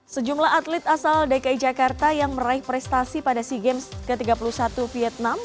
sejumlah atlet asal dki jakarta yang meraih prestasi pada sea games ke tiga puluh satu vietnam